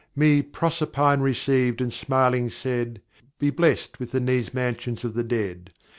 Me Proserpine receiv'd, and smiling said, 'Be bless'd within these mansions of the dead.